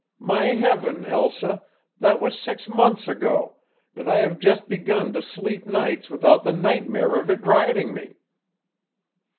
My Heaven, Elsa, that was six months ago and I have just begun to sleep nights without the nightmare of it riding me!"